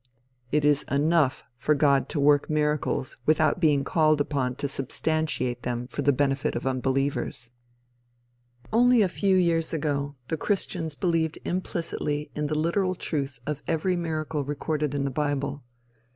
It is enough for God to work miracles without being called upon to substantiate them for the benefit of unbelievers. Only a few years ago, the christians believed implicitly in the literal truth of every miracle recorded in the bible.